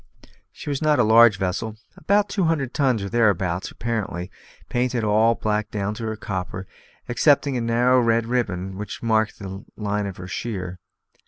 She was not a large vessel; about two hundred tons or thereabouts, apparently; painted all black down to her copper, excepting a narrow red ribbon which marked the line of her sheer.